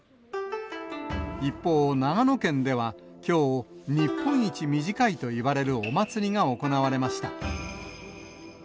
一方、長野県ではきょう、日本一短いといわれるお祭りが行われました。